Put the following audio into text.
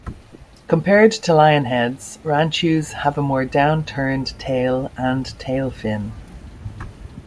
Compared to lionheads, ranchus have a more downturned tail and tail fin.